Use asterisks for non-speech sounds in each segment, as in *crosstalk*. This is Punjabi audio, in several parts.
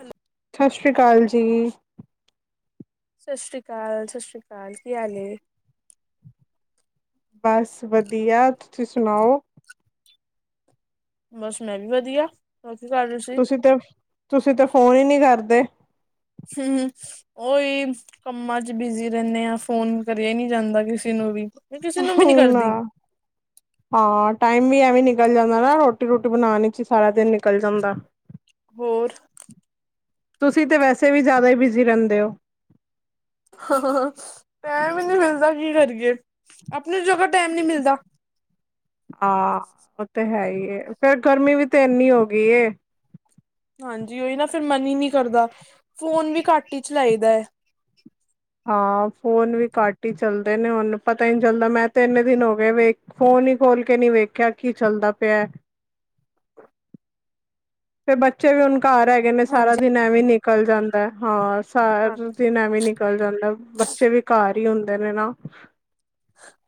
ਹੈਲੋ ਸ਼ਸ਼ ਸ੍ਰੀ ਕਾਲ ਜੀ। ਸਸ ਸ਼੍ਰੀ ਅਕਾਲ-ਸਸ ਸ਼੍ਰੀ ਅਕਾਲ ਕੀ ਹਾਲ ਹੈ। ਬਸ ਵਧੀਆ ਤੁਸੀਂ ਸੁਣਾਓ? ਬਸ ਮੈਂ ਵੀ ਵਧੀਆ ਹੋਰ ਕੀ ਕਰ ਰਹੇ ਸੀ? ਤੁਸੀਂ ਤੁਸੀਂ ਤੇ ਫੋਨ ਈ ਨੀ ਕਰਦੇ। ਹੂੰ ਉਈ ਕੰਮਾਂ ਚ ਬਿਜੀ ਰੈਨੇ ਆ, ਫੋਨ ਕਰਿਆ ਨੀ ਜਾਂਦਾ ਕਿਸੇ ਨੂੰ ਵੀ ਮੈਂ ਕਿਸੇ ਨੂੰ ਵੀ ਨੀ ਹੂਨ ਆ। ਕਰਦੀ ਹਾਂ, ਟਾਈਮ ਵੀ ਐਵੇਂ ਨਿਕਲ ਜਾਂਦਾ ਨਾ ਰੋਟੀ-ਰੂਟੀ ਬਣਾਣ ਚ ਈ ਸਾਰਾ ਦਿਨ ਨਿਕਲ ਜਾਂਦਾ। ਹੋਰ ਤੁਸੀਂ ਤੇ ਵੈਸੇ ਵੀ ਜਿਆਦਾ ਹੀ ਬਿਜ਼ੀ ਰੈੰਦੇ ਓ। ਟੈਮ ਈ ਨੀ ਮਿਲਦਾ ਕੀ ਕਰੀਏ ਆਪਣੀ ਜਗ੍ਹਾ ਟੈਮ ਨੀ ਮਿਲਦਾ। ਹਾਂ, ਓ ਤੇ ਹੈ ਈ ਏ। ਫੇਰ ਗਰਮੀ ਵੀ ਤੇ ਇੰਨੀ ਹੋ ਗੀ ਏ। ਹਾਂਜੀ, ਉਈ ਨਾ। ਫਿਰ ਮਨ ਈ ਨੀ ਕਰਦਾ। ਫੋਨ ਵੀ ਘੱਟ ਈ ਚਲਾਈਦੈ। ਹਾਂ, ਫੋਨ ਵੀ ਘੱਟ ਈ ਚੱਲਦੇ ਨੇ ਹੁਣ ਪਤਾ ਈ ਨੀ ਚੱਲਦਾ। ਮੈਂ ਤੇ ਇੰਨੇ ਦਿਨ ਹੋ ਗਏ ਵੇਖ ਫੋਨ ਈ ਖੋਲ ਕੇ ਨੀ ਵੇਖਿਆ। ਕੀ ਚੱਲਦਾ ਪਿਐ। ਫਿਰ ਬੱਚੇ ਵੀ ਹੁਣ ਘਰ ਐ। ਗੇ ਨੇ, ਸਾਰਾ ਹਾਂਜੀ ਦਿਨ ਐਵੇਂ ਈ ਨਿਕਲ ਜਾਂਦਾ ਹਾਂ। ਸਾਰਾ ਹਾਂਜੀ ਦਿਨ ਐਵੇਂ ਨਿਕਲ ਚੱਲ ਜਾਂਦਾ ਬੱਚੇ ਵੀ ਘਰ ਈ ਹੁੰਦੇ ਨੇ ਨਾ।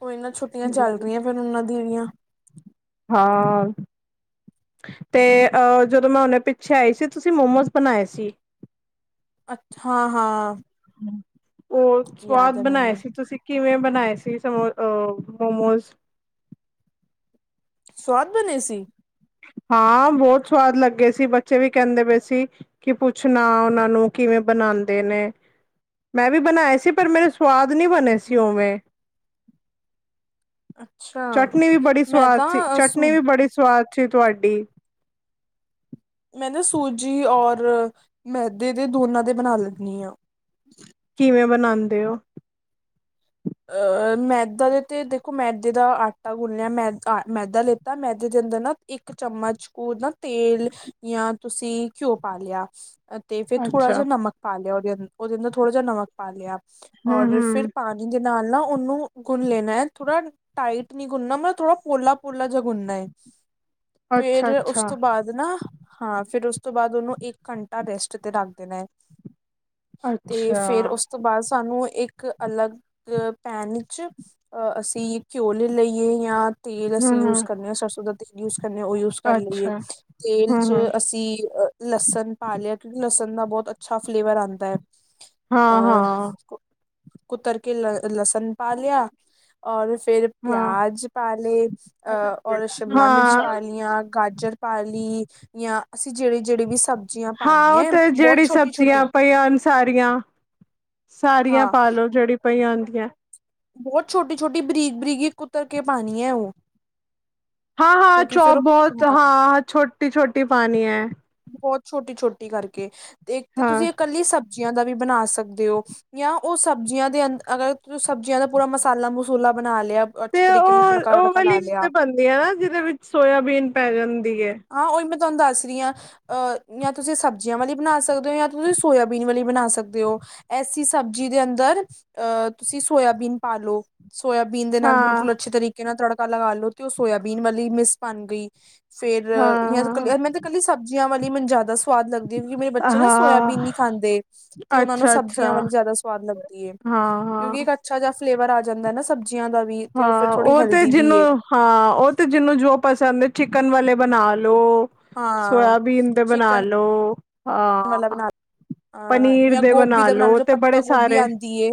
ਓਈ ਨਾ ਛੁੱਟੀਆਂ ਚੱਲ ਰਈਆਂ ਫੇਰ ਉਨਾਂ ਦੀਆ ਵੀ ਆਂ। ਹਾਂ। ਤੇ ਅ ਜਦੋਂ ਮੈਂ ਹੁਣੇ ਪਿੱਛੇ ਆਈ ਸੀ। ਤੁਸੀਂ ਮੋਮੋਸ ਬਣਾਏ ਸੀ। ਅੱਛਾ ਹਾਂ-ਹਾਂ। ਓ ਸਵਾਦ ਬਣਾਏ ਮੈਨੂੰ ਸੀ ਤੁਸੀਂ ਕਿਵੇਂ ਬਣਾਏ ਸੀ? ਅਹ ਮੋਮੋਸ ਸਵਾਦ ਬਣੇ ਸੀ? ਹਾਂ, ਬਹੁਤ ਸਵਾਦ ਲੱਗੇ ਸੀ। ਬੱਚੇ ਵੀ ਕਹਿੰਦੇ ਪਏ ਸੀ। ਕੀ ਪੁੱਛਣਾ ਓਨਾਂ ਨੂੰ ਕਿਵੇਂ ਬਣਾਦੇ ਨੇ, ਮੈਂ ਵੀ ਬਣਾਏ ਸੀ। ਪਰ ਮੇਰੇ ਸਵਾਦ ਨੀ ਬਣੇ ਸੀ। ਉਵੇਂ ਅੱਛਾ ਚਟਨੀਂ ਵੀ ਬੜੀ ਮੈਂ ਸਵਾਦ ਸੀ। ਤਾਂ ਸੂ ਚਟਨੀਂ ਵੀ ਬੜੀ ਸਵਾਦ ਸੀ। ਤੁਆਡੀ ਮੈਂ ਨਾ ਸੂਜੀ ਔਰ ਮੈਦੇ ਦੇ ਦੋਨਾਂ ਦੇ ਬਣਾ ਲੈਣੀ ਆ। ਕਿਵੇਂ ਬਣਾਉਂਦੇ ਹੋ? ਅਹ ਮੈਦਾ ਦੇ ਤੇ ਦੇਖੋ, ਮੈਦੇ ਦਾ ਆਟਾ ਗੁਨਿੰਆ ਮੈ ਮੈਦਾ ਲੇਤਾ ਮੈਦੇ ਦੇ ਅੰਦਰ ਨਾ ਇੱਕ ਚਮਚ ਓ ਨਾ ਤੇਲ ਜਾਂ ਤੁਸੀਂ ਘਿਓ ਪਾ ਲਿਆ। ਤੇ ਫੇਰ ਥੋੜਾ ਅੱਛਾ ਜਿਹਾ ਨਮਕ ਪਾ ਲਿਆ। ਓਦੇ-ਓਦੇ ਅੰਦਰ ਥੋੜ੍ਹਾ ਜਿਹਾ ਨਮਕ ਪਾ ਲਿਆ ਹੂੰ ਔਰ ਹੂੰ ਫਿਰ ਪਾਣੀ ਜਿਦੇ ਨਾਲ ਨਾ ਉਹਨੂੰ ਗੁੰਨ ਲੈਣਾ ਐ। ਥੋੜਾ ਟਾਈਟ ਨਹੀਂ ਗੁੰਨਨਾ ਮਤਲ ਥੋੜਾ ਪੋਲਾ-ਪੋਲਾ ਜਾ ਗੁੰਨਨਾ ਏ। ਅੱਛਾ ਫੇਰ ਅੱਛਾ ਉਸਤੋਂ ਬਾਦ ਨਾ ਹਾਂ, ਫਿਰ ਉਸਤੋਂ ਬਾਦ ਉਹਨੂੰ ਇੱਕ ਘੰਟਾ ਰੈਸਟ ਤੇ ਰੱਖ ਦੇਣਾ ਐ ਤੇ ਅੱਛਾ ਫੇਰ ਉਸ ਤੋਂ ਬਾਅਦ ਸਾਨੂੰ ਇੱਕ ਅਲੱਗ ਅ ਪੈਨ ਚ ਅਸੀਂ ਘਿਓ ਲੇ ਲਈਏ ਜਾਂ ਤੇਲ ਹੂੰ ਅਸੀਂ ਯੂਜ ਹੂੰ ਕਰ ਕਰਨਾ ਐ। ਸਰਸੋਂ ਦਾ ਤੇਲ ਯੂਜ ਕਰਨਾ। ਉਹ ਯੂਜ ਕਰ ਲਈਏ ਅੱਛਾ ਤੇਲ ਹੂੰ ਚ ਹੂੰ ਅਸੀਂ ਲੱਸਣ ਪਾ ਲਿਆ। ਕਿਉਂਕਿ ਲਸਣ ਨਾ ਬਹੁਤ ਅੱਛਾ ਫਲੇਵਰ ਆਂਦਾ ਐ। ਹਾਂ ਹਾਂ ਅ ਕੁਤਰ ਕੇ ਲੱਸਣ ਪਾ ਲਿਆ। ਔਰ ਫੇਰ ਹਾਂ ਪਿਆਜ ਪਾ ਲੇ ਔਰ ਸ਼ਿਮਲਾ ਮਿਰਚ ਹਾਂ ਪਾ ਲੀਆਂ ਗਾਜਰ ਪਾ ਲੀ ਜਾਂ, ਅਸੀਂ ਜੇੜੇ-ਜੇੜੇ ਵੀ ਸਬ ਹਾਂ ਤੇ ਜੇੜੀ ਸਬਜ਼ੀਆਂ ਪਈਆਂ ਹੋਣ ਸਾਰੀਆਂ ਸਾਰੀਆਂ ਹਾਂ ਪਾਲੋ ਜੇੜੀ ਪਈਆਂ ਹੁੰਦੀਆਂ। ਬਹੁਤ ਛੋਟੀ-ਛੋਟੀ ਬਰੀਕ-ਬਰੀਕ ਕੁਤਰ ਕੇ ਪਾਣੀ ਹੈ। ਉਹ ਹਾਂ-ਹਾਂ ਕਿਉਂਕਿ ਫਿਰ ਚੌਪ ਉਹ ਬਹੁਤ ਹਾਂ ਹਾ। ਛੋਟੀ-ਛੋਟੀ ਪਾਣੀ ਐ। ਬਹੁਤ ਛੋਟੀ-ਛੋਟੀ ਕਰਕੇ ਤੇ ਇੱਕ ਤੇ ਹਾਂ ਤੁਸੀਂ ਇਕੱਲੀ ਸਬਜ਼ੀਆਂ ਦਾ ਵੀ ਬਣਾ ਸਕਦੇ ਓ। ਜਾਂ ਉਹ ਸਬਜ਼ੀਆਂ ਦੇ ਅ ਅਗਰ ਤੁਸੀ ਸਬਜ਼ੀਆਂ ਦਾ ਪੂਰਾ ਮਸਾਲਾ ਮਸੂਲਾ ਬਣਾ ਲਿਆ। ਅੱਛੇ ਤਰੀਕੇ ਨਾਲ ਤੜਕਾ ਵੜਕਾ ਲਾ ਲਿਆ। ਏ ਆ ਨਾ ਜਿਦੇ ਵਿੱਚ ਸੋਇਆਬੀਨ ਪੈ ਜਾਂਦੀ ਏ। ਹਾਂ ਉਹੀ ਮੈਂ ਤੁਹਾਨੂੰ ਦੱਸ ਰਹੀ ਹਾਂ ਆ। ਅਹ ਜਾਂ ਤੁਸੀਂ ਸਬਜ਼ੀਆਂ ਵਾਲੀ ਬਣਾ ਸਕਦੇ ਹੋ ਜਾਂ ਤੁਸੀਂ ਸੋਇਆਬੀਨ ਵਾਲੀ ਬਣਾ ਸਕਦੇ ਹੋ। ਐਸੀ ਸਬਜ਼ੀ ਦੇ ਅੰਦਰ ਅਹ ਤੁਸੀਂ ਸੋਇਆਬੀਨ ਪਾ ਲੋ। ਸੋਇਆਬੀਨ ਦੇ ਨਾਲ ਹਾਂ ਬਿਲਕੁਲ ਅੱਛੇ ਤਰੀਕੇ ਨਾਲ ਤੜਕਾ ਲਗਾ ਲ ਲੋ ਤੇ ਉਹ ਸੋਇਆਬੀਨ ਵਾਲੀ ਮਿਸ ਬਣ ਗਈ। ਫਿਰ ਹਾਂ ਕੱਲ ਮੈਂ ਤਾਂ ਇਕੱਲੀ ਸਬਜ਼ੀਆਂ ਵਾਲੀ ਮੈਨੂੰ ਜ਼ਿਆਦਾ ਸ ਸਵਾਦ ਲੱਗਦੀ ਕਿਉਕਿ ਮੇਰੇ ਬੱਚੇ ਨਾ ਹਾਂ ਸੋਇਆਬੀਨ ਨਹੀਂ ਖਾਂਦੇ। ਤੇ ਉਹਨਾ ਨੂੰ ਸਬਜ਼ੀਆਂ ਵਾਲੀ ਜ਼ਿਆਦਾ ਸੁਵਾਦ ਲੱਗਦੀ ਏ। ਹਾਂ-ਹਾਂ ਅੱਛਾ ਜਾ ਫਲੇਵਰ ਆ ਜਾਂਦਾ ਨਾ ਸਬਜ਼ੀਆਂ ਦਾ ਵੀ ਅਤੇ ਉਹ ਫਿਰ ਹਾਂ ਥੋੜ੍ਹੀ ਤੇ ਹੈਲਦੀ ਜਿਹਨੂੰ ਵੀਏ। ਹਾਂ ਉਹ ਤੇ ਜਿਹਨੂੰ ਜੋ ਪਸੰਦ ਹੈ ਚਿਕਨ ਵਾਲੇ ਬਣਾ ਲ ਲੋ ਹਾਂ ਸੋਇਆਬੀਨ ਦੇ ਬਣਾ ਚਿਕਨ ਲੋ ਆ। ਵਾਲਾ ਬਣਾ ਅ ਪਨੀਰ ਜਾਂ ਦੇ ਗੋਭੀ ਬਣਾ ਦਾ ਲਓ ਲੋ ਜੋ ਤੇ ਬੜੇ ਪੱਤਾ ਗੋਭੀ ਸਾਰੇ ਆਉਂਦੀ ਏ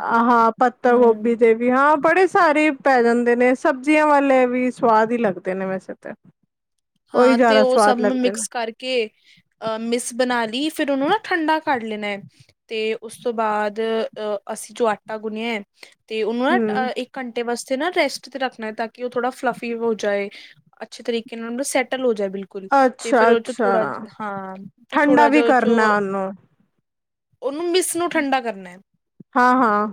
ਹਾਂ ਅ ਪੱਤਾ ਹਮ ਗੋਭੀ ਦੇ ਵੀ ਹਾਂ ਬੜੇ ਸਾਰੇ ਪੈ ਜਾਂਦੇ ਨੇ ਸਬਜ਼ੀਆਂ ਵਾਲੇ ਵੀ ਸਵਾਦ ਹੀ ਲੱਗਦੇ ਨੇ ਵੈਸੇ ਤੇ *inaudible* ਹਾਂ ਤੇ ਉਹ ਸਭ ਨੂੰ ਮਿਕਸ ਕਰ ਕੇ ਅਹ ਮਿਸ ਬਣਾ ਲਈ ਫਿਰ ਉਹਨੂੰ ਨਾ ਠੰਡਾ ਕਢ ਲੈਣਾ ਏ। ਤੇ ਉਸ ਤੋਂ ਬਾਅਦ ਅਹ ਅਸੀਂ ਜੋ ਆਟਾ ਗੁਣਿਆ ਹੈ ਤੇ ਉਹਨੂੰ ਨਾ ਹਮ ਅ ਇੱਕ ਘੰਟੇ ਵਾਸਤੇ ਨਾ ਰੈਸਟ ਤੇ ਰੱਖਣਾ ਹੈ ਤਾਂ ਕਿ ਉਹ ਥੋੜਾ ਫਲਫੀ ਹੋ ਜਾਏ ਅੱਛੇ ਤਰੀਕੇ ਨਾਲ ਉ ਸੈਟਲ ਹੋ ਜਾਏ ਬਿਲਕੁਲ ਤੇ ਫਿਰ ਅੱਛਾ ਉਹ 'ਚੋਂ ਅੱਛਾ ਥੋੜਾ ਹਾਂ ਫਿਰ ਠੰਡਾ ਥੋੜਾ ਵੀ ਜਿਹਾ ਉਹ 'ਚੋਂ ਕਰਨਾ ਉਹਨੂੰ ਓਹਨੂੰ ਮਿਸ ਨੂੰ ਠੰਡਾ ਕਰਨਾ ਐ। ਹਾਂ-ਹਾਂ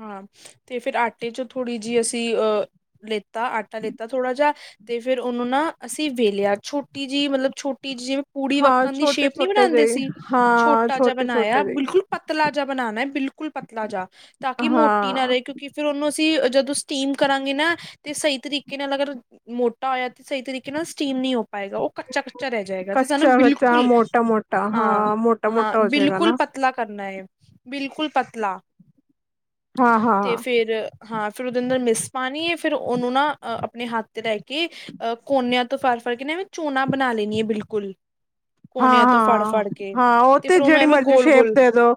ਹਾਂ ਤੇ ਫਿਰ ਆਟੇ 'ਚੋਂ ਥੋੜ੍ਹੀ ਜਿਹੀ ਅਸੀਂ ਅਹ ਲੇਤਾ ਆਟਾ ਲੇਤਾ ਥੋੜ੍ਹਾ ਜਾ ਤੇ ਫਿਰ ਓਹਨੂੰ ਨਾ ਅਸੀਂ ਵੇਲਿਆ ਛੋਟੀ ਜਿਹੀ ਮਤਲਬ ਛੋਟੀ ਜਿਹੀ ਜਿਵੇਂ ਪੂੜੀ ਹਾਂ ਵੱਕਣ ਦੀ ਛੋਟੇ ਸ਼ੇਪ ਨਹੀਂ ਛੋਟੇ ਬਣਾਂਦੇ ਜਿਹੇ ਸੀ ਹਾਂ ਛੋਟਾ ਜਿਹਾ ਛੋਟੇ ਬਣਾਇਆ ਛੋਟੇ ਜਿਹੇ ਬਿਲਕੁਲ ਪਤਲਾ ਜਿਹਾ ਬਣਾਣਾ ਬਿਲਕੁਲ ਬਿਲਕੁਲ ਪਤਲਾ ਜਾ ਤਾਂ ਕਿ ਮੋਟੀ ਨਾ ਹਾਂ ਰਹੇ ਕਿਉਂਕ ਕਿ ਫਿਰ ਉਹਨੂੰ ਅਸੀਂ ਜਦੋਂ ਸਟੀਮ ਕਰਾਂਗੇ ਨਾ ਤੇ ਸਹੀ ਤਰੀਕੇ ਨਾਲ ਅਗਰ ਮੋਟਾ ਹੋਇਆ ਤੇ ਸਹੀ ਤਰੀਕੇ ਨਾਲ ਸਟੀਮ ਨ ਨਹੀਂ ਹੋ ਪਾਏਗਾ ਉਹ ਕੱਚਾ-ਕੱਚਾ ਰਹਿ ਜਾਏਗਾ। ਤੇ ਸਾਨੂੰ ਕੱਚਾ ਕੱਚਾ ਬਿਲਕੁਲ ਮੋਟਾ ਮੋਟਾ ਹਾਂ ਮੋਟਾ ਹਾਂ-ਹਾਂ ਮੋਟਾ ਹੋ ਜਾਏਗਾ ਬਿਲਕੁਲ ਨਾ ਪਤ ਪਤਲਾ ਕਰਨਾ ਏ ਬਿਲਕੁਲ ਪਤਲਾ ਹਾਂ ਤੇ ਹਾਂ ਫਿਰ ਹਾਂ ਫਿਰ ਉਹਦੇ ਅੰਦਰ ਮਿਸ ਪਾਣੀ ਏ ਫਿਰ ਉਹਨੂੰ ਨਾ ਅ ਆਪਣੇ ਹੱਥ ਤੇ ਰਹਿ ਕੇ ਅ ਕੋਨਿਆਂ ਤੋਂ ਫੜ-ਫੜ ਕੇ ਐਵੇਂ ਝੋਨਾ ਬਣਾ ਲੈਣੀ ਆ ਬਿਲਕੁਲ ਹਾਂ ਕੋਨਿਆਂ ਤੋਂ ਹਾਂ ਫੜ-ਫੜ ਕੇ ਹਾਂ ਉਹ ਤੇ ਫਿਰ ਉਹਨੂੰ ਜਿਹੜੀ ਐਵੇਂ ਮਰਜ਼ੀ ਸ਼ੇਪ ਗੋਲ-ਗੋਲ ਦੇ ਦੋ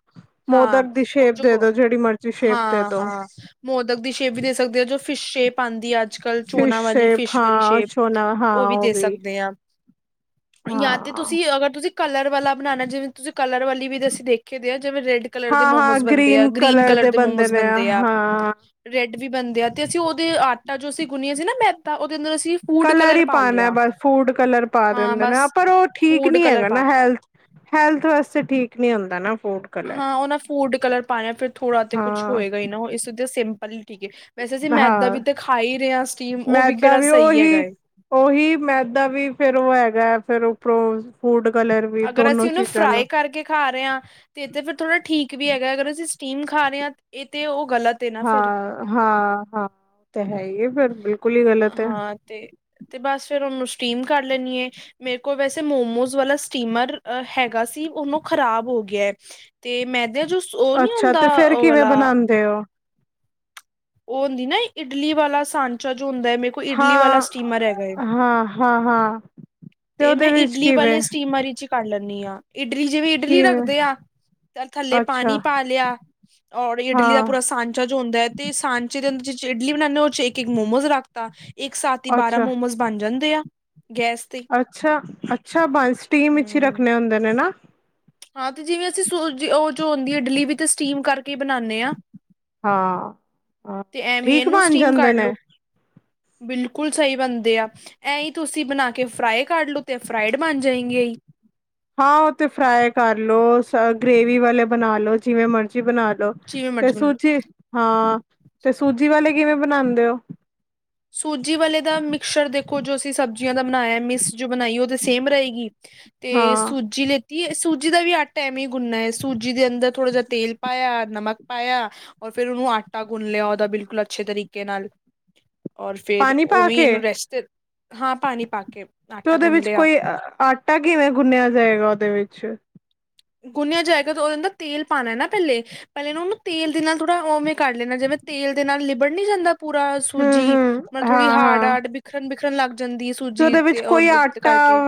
ਹਾਂ ਮੋਦਕ ਦੀ ਉਹ ਸ਼ੇਪ ਜੋ ਦੇ ਬ ਦੋ ਜਿਹੜੀ ਮਰਜ਼ੀ ਸ਼ੇਪ ਦੇ ਦੋ ਹਾਂ-ਹਾਂ ਮੋਦਕ ਦੀ ਸ਼ੇਪ ਵੀ ਦੇ ਸਕਦੇ ਆ ਜੋ ਫਿਸ਼ ਸ਼ੇਪ ਆਂਦੀ ਹੈ ਅੱਜ ਕੱਲ੍ਹ ਫਿਸ਼ ਚੋਨਾ ਵਾਲੀ ਸ਼ੇਪ ਫਿਸ਼ ਵਲੀ ਹਾਂ ਸ਼ੇਪ ਛੋਨਾ ਹਾਂ ਉਹ ਵੀ ਉਹ ਵੀ *unintelligible* ਜਾਂ ਤੇ ਹਾਂ ਤੁਸੀਂ ਅਗਰ ਤੁਸੀਂ ਕਲਰ ਵਾਲਾ ਬਣਾਣਾ ਜਿਵੇਂ ਤੁਸੀਂ ਕਲਰ ਵਾਲੀ ਵੀ ਦੱਸੀ ਦੇਖ ਖੇ ਦੇ ਆ ਜਿਵੇਂ ਰੈਡ ਕਲਰ ਦੇ ਹਾਂ ਹਾਂ ਮੋਮੋਜ਼ ਬਣਦੇ ਆ ਗ੍ਰੀਨ ਕਲਰ ਦੇ ਬੰਦੇ ਮੋਮੋਜ਼ ਨੇ ਬਣਦੇ ਆ। ਹਾਂ ਰੈਡ ਵੀ ਬਣਦੇ ਆ ਤੇ ਅਸੀਂ ਉਹਦੇ ਆਟਾ ਜੋ ਅਸੀਂ ਗੁੰਨਿਆ ਸੀ ਨਾ ਮੈਦਾ ਉਹਦੇ ਅੰਦਰ ਅਸੀਂ ਫੂਡ ਕਲਰ ਹੀ ਪਾ ਪਾਣਾ ਲਿਆ। ਬਸ ਫੂਡ ਕਲਰ ਪਾ ਹਾਂ ਦਿੰਦੇ ਨੇ ਬਸ ਪਰ ਉਹ ਠੀਕ ਫੂਡ ਨੀ ਕਲਰ ਹੈਗਾ ਨਾ ਪਾਤਾ। ਹੈਲਥ ਹੈਲਥ ਵਾਸਤੇ ਠੀਕ ਨੀ ਹੁੰਦਾ ਨਾ ਫੂਡ ਕਲਰ ਹਾਂ ਉਹ ਨਾ ਫੂਡ ਕਲਰ ਪਾਣਾ ਫਿਰ ਥੋੜਾ ਤੇ ਕੁਛ ਹਾਂ ਹੋਏਗਾ ਹੀ ਨਾ ਇਸ ਤੇ ਹੀ ਸਿੰਪਲ ਠੀਕ ਹੈ। ਵੈਸੇ ਅਸੀਂ ਮੈਦਾ ਹਾਂ ਵੀ ਤੇ ਖਾ ਹੀ ਰਹੇ ਆ ਸਟੀਮ ਉਹ ਵੀ ਮੈਦਾ ਕਿਹੜਾ ਸਹੀ ਹੈਗਾ ਉਹੀ ਏ। ਉਹੀ ਮੈਦਾ ਵੀ ਫਿਰ ਉਹ ਹੈਗਾ ਹੈ ਫਿਰ ਫੂਡ ਕਲਰ ਵੀ ਦੋਨੋ ਚੀਜ਼ਾਂ ਨੂੰ ਕੇ ਖਾ ਰਹੇ ਹਾਂ। ਤੇ-ਤੇ ਫਿਰ ਥੋੜ੍ਹਾ ਠੀਕ ਵੀ ਹੈਗਾ ਅਗਰ ਅਸੀਂ ਸਟੀਮ ਖਾ ਰਹੇ ਹਾਂ ਇਹ ਤਾਂ ਉਹ ਗ਼ਲਤ ਏ ਨਾ ਫਿਰ। ਹਾਂ, ਹਾਂ, ਹਾਂ ਓ ਤੇ ਹੈ ਈ ਏ ਫਿਰ ਬਿਲਕੁਲ ਈ ਗਲਤ ਐ। ਹਾਂ ਤੇ ਤੇ ਬਸ ਫੇਰ ਉਨੂੰ ਸਟੀਮ ਕਰ ਲੈਣੀ ਏ, ਮੇਰੇ ਕੋਲ ਵੈਸੇ ਮੋਮੋਸ ਵਾਲਾ ਸਟੀਮਰ ਅ ਹੈਗਾ ਸੀ ਉਨੂੰ ਖ਼ਰਾਬ ਹੋ ਗਿਆ, ਤੇ ਮੈਦੇ ਜੋ ਓ ਨਈ ਅੱਛਾ ਹੁੰਦਾ, ਓ ਵਾਲਾ ਤੇ ਓ ਓ ਹੁੰਦੀ ਨਾ ਇਡਲੀ ਵਾਲਾ ਸਾਂਚਾ ਜੋ ਹੁੰਦਾ ਐ ਮੇਰੇ ਕੋਲ ਇਡਲੀ ਵਾਲਾ ਸਟੀਮਰ ਹੈਗਾ ਐ। ਹਾਂ-ਹਾਂ। ਤੇ ਮੈਂ ਇਡਲੀ ਵਾਲੇ ਸਟੀਮਰ ਚ ਈ ਕਰ ਲੈਨੀ ਆ ਇਡਲੀ ਜਿਵੇਂ ਇਡਲੀ ਕਿਵੇਂ ਰੱਖਦੇ ਆ ਤਾ ਥੱਲੇ ਪਾਣੀ ਅੱਛਾ ਪਾ ਲਿਆ ਓਰ ਇਡਲੀ ਦਾ ਹਾਂ ਪੂਰਾ ਸਾਂਚਾ ਜੋ ਹੁੰਦਾ ਐ ਤੇ ਸਾਂਚੇ ਦੇ ਅੰਦ ਜਿਦੇ ਚ ਇਡਲੀ ਬਨਾਨੇ ਉਦੇ ਚ ਇੱਕ ਮੋਮੋਜ਼ ਲਗਤਾ ਇੱਕ ਸਾਥ ਈ ਬਾਰਾਂ ਅੱਛਾ ਮੋਮੋਜ਼ ਬਣ ਜਾਂਦੇ ਆ ਗੈਸ ਤੇ ਅੱਛਾ, ਅੱਛਾ ਬਾਏ ਸਟੀਮ ਚ ਈ ਹੂੰ, ਰੱਖਣੇ ਹੁੰਦੇ ਨੇ ਨਾ। ਹਾਂ ਤੇ ਜਿਵੇਂ ਅਸੀਂ ਸੂਜੀ ਓ ਜੋ ਹੁੰਦੀ ਏ ਇਡਲੀ ਵੀ ਤੇ ਸਟੀਮ ਕਰਕੇ ਈ ਬਣਾਣੇ ਆ। ਹਾਂ ਹਾਂ ਤੇ ਐਵੇਂ ਈ ਠੀਕ ਐਨੂੰ ਬਣ ਸਟੀਮ ਜਾਂਦੇ ਕੱਢ ਨੇ ਲਓ। ਬਿਲਕੁਲ ਸਈ ਬਣਦੇ ਆ। ਐਈ ਤੁਸੀਂ ਬਣਾ ਕੇ ਫਰਾਈ ਕਢ ਲੋ ਤੇ ਫਰਾਈਡ ਬਣ ਜਾਏਂਗੇ ਈ। ਹਾਂ ਓ ਤੇ ਫਰਾਈ ਕਰ ਲੋ, ਗ੍ਰੇਵੀ ਵਾਲੇ ਬਣਾ ਲੋ, ਜਿਵੇਂ ਮਰਜ਼ੀ ਬਣਾ ਲੋ, ਜਿਵੇਂ ਤੇ ਮਰਜ਼ੀ ਬਣਾ ਲੋ। ਸੂਜੀ ਹਾਂ, ਤੇ ਸੂਜੀ ਵਾਲੇ ਕਿਵੇਂ ਬਣਾਂਦੇ ਓ? ਸੂਜੀ ਵਾਲੇ ਦਾ ਮਿਕਸਰ ਦੇਖੋ ਜੋ ਅਸੀਂ ਸਬਜ਼ੀਆਂ ਦਾ ਬਣਾਇਆ ਮਿਸ ਜੋ ਬਣਾਈ ਓ ਤਾਂ ਸੇਮ ਰਏਗੀ ਤੇ ਹਾਂ ਸੂਜੀ ਲਿ ਤੀ, ਸੂਜੀ ਦਾ ਵੀ ਆਟਾ ਐਵੇ ਈ ਗੁੰਨਨਾ ਐ, ਸੂਜੀ ਦੇ ਅੰਦਰ ਥੋੜ੍ਹਾ ਜਿਆ ਤੇਲ ਪਾਇਆ, ਨਮਕ ਪਾਇਆ ਓਰ ਫਿਰ ਉਨੂੰ ਆਟਾ ਗੁੰਨ ਲਿਆ ਉਦਾ ਬਿਲਕੁਲ ਅੱਛੇ ਤਰੀਕੇ ਨਾਲ। ਓਰ ਫਿਰ ਪਾਣੀ ਪਾ ਉਵੇਂ ਕੇ ਇਨੂੰ ਰੈਸਟ, ਹਾਂ ਪਾਣੀ ਪਾ ਕੇ ਤੇ ਆਟਾ ਉਦੇ ਗੁੰਨ ਵਿੱਚ ਲਿਆ ਕੋਈ ਅ ਆਟਾ ਕਿਵੇਂ ਗੁੰਨਿਆ ਜਾਏਗਾ ਉਦੇ ਵਿੱਚ। ਗੁੰਨਿਆ ਜਾਏਗਾ ਤੇ ਉਦੇ ਅੰਦਰ ਤੇਲ ਪਾਣਾ ਨਾ ਪੈਲੇ। ਪੈਲੇ ਨਾ ਉਨੂੰ ਤੇਲ ਦੇ ਨਾਲ ਥੋੜ੍ਹਾ ਓਵੇਂ ਕਰ ਲੈਣਾ ਜਿਵੇਂ ਤੇਲ ਦੇ ਨਾਲ ਲਿਬੜ ਨੀ ਜਾਂਦਾ ਪੂਰਾ ਹੂੰ ਸੂਜੀ ਹੂੰ ਮਤਲਬ ਥੋੜੀ ਹਾਂ ਹਾਂ ਹਾਰਡ-ਹਾਰਡ ਬਿਖਰਨ-ਬਿਖਰਨ ਲੱਗ ਜਾਂਦੀ ਐ, ਸੂਜੀ ਤੇ ਓਂਦੇ ਉਤੇ ਕਰਕੇ।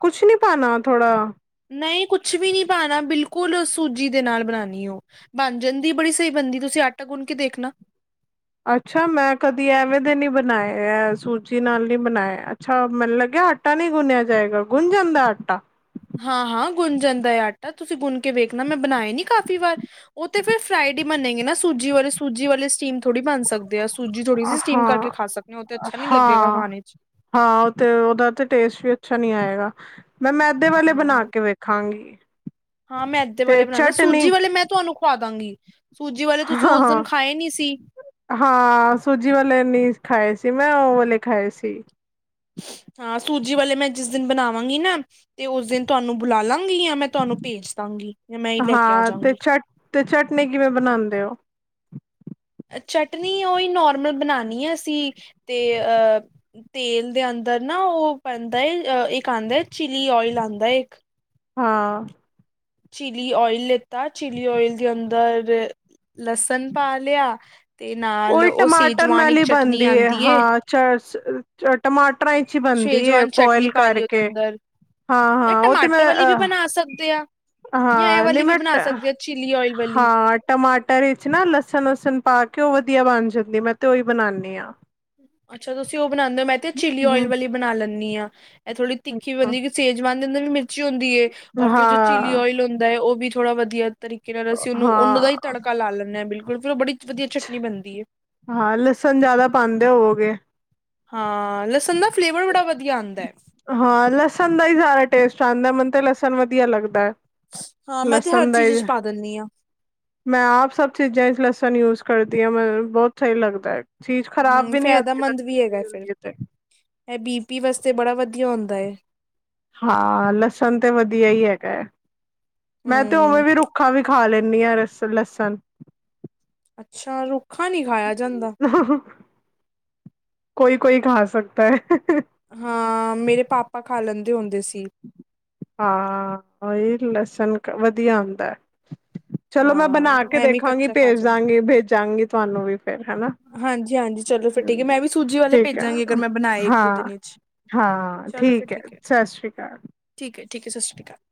ਕੁੱਛ ਨੀ ਪਾਨਾ ਥੋੜਾ ਨਈ ਕੁਛ ਵੀ ਨੀ ਪਾਣਾ ਬਿਲਕੁਲ ਸੂਜੀ ਦੇ ਨਾਲ ਬਣਾਣੀ ਓ। ਬਣ ਜਾਂਦੀ ਬੜੀ ਸਈ ਬਣਦੀ, ਤੁਸੀਂ ਆਟਾ ਗੁੰਨ ਕੇ ਦੇਖਣਾ। ਅੱਛਾ, ਮੈਂ ਕਦੀ ਐਵੇਂ ਦੇ ਨੀ ਬਣਾਏ, ਐ ਸੂਜੀ ਨਾਲ ਨੀ ਬਣਾਏ। ਅਛਾ! ਮੈਨ ਲੱਗਿਆ ਆਟਾ ਨੀ ਗੁਣਿਆ ਜਾਏਗਾ ਗੁੰਨ ਜਾਂਦਾ ਆਟਾ। ਹਾਂ-ਹਾਂ ਗੁੰਨ ਜਾਂਦਾ ਐ ਆਟਾ ਤੁਸੀਂ ਗੁੰਨ ਕੇ ਵੇਖਣਾ ਮੈਂ ਬਣਾਏ ਨੀ ਕਾਫ਼ੀ ਵਾਰ। ਓ ਤੇ ਫਿਰ ਫਰਾਈਡ ਈ ਬਨੇਗੇ ਨਾ ਸੂਜੀ ਵਾਲੇ, ਸੂਜੀ ਵਾਲੇ ਸਟੀਮ ਥੋੜੀ ਬਣ ਸਕ ਦੇ ਆ, ਸੂਜੀ ਥੋੜ੍ਹੀ ਸੀ ਸਟੀਮ ਕਰਕੇ ਹਾਂ ਖਾ ਸਕਨੇ ਆ ਓ ਤੇ ਅੱਛਾ ਨੀ ਲੱਗੇਗਾ ਹਾਂ ਖਾਣੇ ਚ। ਹਾਂ, ਓਤੇ ਉਦਾ ਤੇ ਟੇਸਟ ਵੀ ਅੱਛਾ ਨੀ ਆਏਗਾ। ਮੈਂ ਮੈਦੇ ਵਾਲੇ ਬਣਾ ਹਾਂ ਕੇ ਵੇਖਾਂਗੀ। ਹਾਂ, ਮੈਦਾ ਤੇ ਵਾਲੇ ਬਣਾਣਾ। ਚਟਨੀ ਸੂਜੀ ਵਾਲੇ ਮੈਂ ਤੁਆਨੂੰ ਖਵਾਦਾਂਗੀ ਸੂਜੀ ਵਾਲੇ ਤੁਸੀਂ ਹਾਂ ਉਸ ਦਿਨ ਹਾਂ ਖਾਏ ਨੀ ਸੀ। ਹਾਂ, ਸੂਜੀ ਵਾਲੇ ਨੀ ਖਾਏ ਸੀ ਮੈਂ ਓ ਵਾਲੇ ਖਾਏ ਸੀ। ਹਾਂ, ਸੂਜੀ ਵਾਲੇ ਮੈਂ ਜਿਸ ਦਿਨ ਬਣਾਵਾਂਗੀ ਨਾ ਤੇ ਓਸ ਦਿਨ ਤੁਆਨੂੰ ਬੁਲਾਲਾਂਗੀ ਯਾ ਮੈਂ ਤੁਆਨੂੰ ਭੇਜ ਦਾਂਗੀ। ਜਾਂ ਮੈਂ ਹੀ ਲੈ ਕੇ ਆ ਹਾਂ, ਤੇ ਜਾਂਗੀ ਚੱਟ, ਤੇ ਚੱਟਨੀ ਕਿਵੇਂ ਬਣਾਂਦੇ ਓ? ਚੱਟਨੀ ਓਹੀ ਨੋਰਮਲ ਬਣਾਣੀ ਐ ਅਸੀਂ ਤੇ ਅ ਤੇਲ ਦੇ ਅੰਦਰ ਨਾ ਓ ਪੈਂਦਾ ਐ ਇੱਕ ਆਂਦਾ ਚਿਲੀ ਓਇਲ ਆਂਦਾ ਏ ਇੱਕ। ਹਾਂ। ਚਿਲੀ ਓਇਲ ਲਿੱਤਾ, ਚਿਲੀ ਓਇਲ ਦੇ ਅੰਦਰ ਲਸਣ ਪਾ ਲਿਆ ਤੇ ਨਾਲ ਉਹੀ ਓ ਸੇਜਵਾਨ ਇੱਕ ਚੱਟਨੀ ਆਂਦੀ ਏ ਚਸ ਟਮਾਟਰਾਂ ਚ ਈ ਬਣਦੀ ਏ ਸੇਜਵਾਨ ਬੋਇਲ ਕਰਕੇ। ਹਾਂ ਐ ਹਾਂ ਉਹ ਤੇ ਟਮਾਟਰ ਮੈਂ ਵਾਲੀ ਵੀ ਅ ਬਣਾ ਸਕਦੇ ਆ? ਯਾ ਐ ਹਾਂ ਨਹੀਂ ਵਾਲੀ ਵੀ ਮੈਂ ਬਨਾ ਸਕਦੇ ਓ, ਚੀਲੀ ਓਏਲ ਵਲੀ। ਹਾਂ ਟਮਾਟਰ ਇਚ ਨਾ ਲਸਨ-ਲੂਸਨ ਪਾ ਕੇ ਓ ਵਦੀਆ ਬਨ ਜਾਂਦੀ, ਮੈਂ ਤੇ ਓਈ ਬਨਾਨੀ ਆਂ। ਅੱਛਾ ਤੂਸੀ ਓ ਬਨਾਂਦੇ ਓ, ਮੈਂ ਤੇ ਚੀਲੀ ਹਮ ਓਏਲ ਵਾਲੀ ਬਨਾ ਲੈਨੀ ਆ, ਐ ਥੋੜੀ ਤਿੱਖੀ ਵੀ ਹਾਂ, ਬਂਦੀ ਸੇਜ ਵਾਨ ਦੇ ਅਂਦਰ ਵੀ ਮਿਰਚੀ ਹੁੰਦੀ ਏ ਔਰ ਫਿਰ ਜੋ ਚੀਲੀ ਓਏਲ ਹੁੰਦੈ, ਓ ਵੀ ਥੋੜਾ ਵਦੀਆ ਤਰੀਕੇ ਨਾਲ ਅਸੀ ਉਨੂੰ, ਓਨਾਂ ਦਾ ਈ ਹਾਂ, ਤੜਕਾ ਲਾ ਲੈਂਨੇ ਆ ਬਿਲਕੁਲ ਫਿਰ ਓ ਬੜੀ ਵਦੀਆ ਚਟਨੀ ਬਨਦੀ ਏ। ਹਾਂ, ਲਸੱਨ ਜਾਦਾ ਪਾਂਦੇ ਹੋਓਗੇ। ਹਾਂ, ਲੱਸਨ ਦਾ ਫਲੇਵਰ ਬੜਾ ਵਦੀਆ ਆਂਦੈ। ਹਾਂ ਲਸਨ ਦਾ ਈ ਸਾਰਾ ਟੇਸਟ ਆਂਦੈ, ਮੈਨ ਤੇ ਲਸਨ ਵਦੀਆ ਲਗਦੈ। ਹਾਂ, ਮੈਂ ਤੇ ਹਰ ਚੀਜ ਇਚ ਪਾ ਦੇਨੀ ਆਂ। ਮੈਂ ਆਪ ਸਬ ਚੀਜਾਂ ਇਸ ਲਸਨ ਯੂਜ਼ ਕਰਦੀ ਆਂ, ਮੈਨੂੰ ਬੋਤ ਸਹੀ ਲੱਗਦਾ ਐ। ਚੀਜ ਖ਼ਰਾਬ ਹਮ ਵੀ ਨੀ ਹੁੰਦੀ ਲੱਸਨ ਪਾਈ ਹੁੰਦੀ ਏ ਤੇ। ਐ ਬੀ ਪੀ ਵਸਤੇ ਬੜਾ ਵਦੀਆ ਹੂੰਦਾ ਏ। ਹਾਂ, ਲਸਨ ਤੇ ਵਦੀਆ ਈ ਹੈਗੈ, ਮੈਂ ਤੇ ਉਵੇਂ ਹਮ ਵੀ ਰੁਕ ਰੂੱਖਾਂ ਵੀ ਖਾ ਲੈਂਨੀ ਆਂ ਰਸ, ਲਸਨ। ਅੱਛਾ, ਰੁੱਖਾ ਨੀ ਖਾਏਆ ਜਾਂਦਾ। *inaudible* ਕੋਈ-ਕੋਈ ਖਾ ਸਕਤੈ। ਹਾਂ, ਮੇਰੇ ਪਾਪਾ ਖਾ ਲੈਂਦੇ ਹੁੰਦੇ ਸੀ। ਹਾਂ, ਏ ਲਸਨ ਵਦੀਆ ਹੁੰਦੈ। ਚਲੋ ਮੈਂ ਹਾਂ ਬਨਾ ਕੇ ਐਵੇਂ ਹੀ ਦੇਖਾਂਗੀ, ਕੱਚਾ ਖਾ ਭੇਜ ਜਾਂਦਾ ਦਾਂਗੀ, ਭੇਜਾਂਗੀ ਤੂਆਨੂੰ ਵੀ। ਫੇਰ ਹੇਨਾ, ਹਾਂਜੀ-ਹਾਂਜੀ ਚਲੋ ਫਿਰ ਠੀਕ ਹੈ ਮੈਂ ਹੂੰ ਵੀ ਸੂਜੀ ਵਾਲੇ ਭੇਜਾਂਗੀ ਅਗਰ *unintelligible* ਮੈਂ ਬਣਾਏ ਇੱਕ ਦੋ ਹਾਂ। ਦਿਨ ਵਿੱਚ ਹਾਂ, ਠੀਕ ਐ, ਸਸ੍ਰੀ ਕਾਲ। ਠੀਕੈ, ਠੀਕੈ, ਸਸ੍ਰੀ ਕਾਲ।